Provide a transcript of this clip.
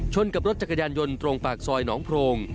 กับรถจักรยานยนต์ตรงปากซอยหนองโพรง